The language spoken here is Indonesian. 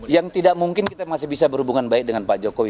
yang tidak mungkin kita masih bisa berhubungan baik dengan pak jokowi